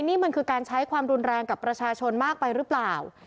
นี่มันคือการใช้ความรุนแรงกับประชาชนมากไปหรือเปล่า